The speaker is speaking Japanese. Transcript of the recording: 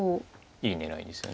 いい狙いですよね。